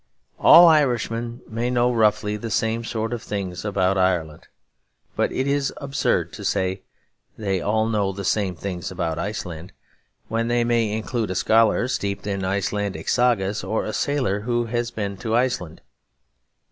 All Irishmen may know roughly the same sort of things about Ireland; but it is absurd to say they all know the same things about Iceland, when they may include a scholar steeped in Icelandic sagas or a sailor who has been to Iceland.